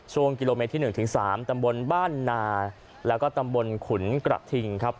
ช่วงกิโลเมตรที่หนึ่งถึงสามตำบลบ้านนาแล้วก็ตำบลขุนกระถิ่งครับ